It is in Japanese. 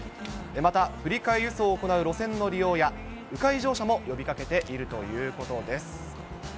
また振り替え輸送を行う路線の利用や、う回乗車も呼びかけているということです。